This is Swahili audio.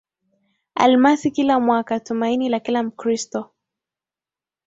almasi kila mwaka Tumaini la kila Mkristo